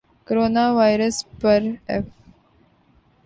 corona virus پر ف